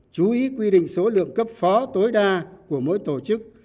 chú ý quy định số lượng cấp phó tối đa của mỗi tổ chức